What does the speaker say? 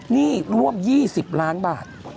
หนี้ร่วม๒๐ล้านบาท